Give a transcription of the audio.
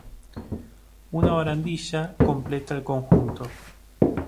Una barandilla completa el conjunto.